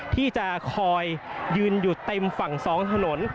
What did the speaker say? ที่จะคอยยืนอยู่เต็มฝั่ง๒ถนน